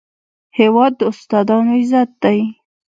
هېواد د استادانو عزت دی.